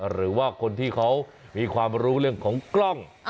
หรือว่าคนที่เขามีความรู้เรื่องของกล้อง